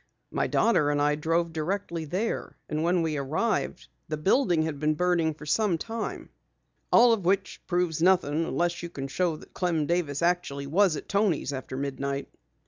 My daughter and I drove directly there, and when we arrived the building had been burning for some time." "All of which proves nothing unless you can show that Clem Davis actually was at Toni's after midnight."